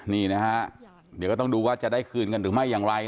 นี่นะฮะเดี๋ยวก็ต้องดูว่าจะได้คืนกันหรือไม่อย่างไร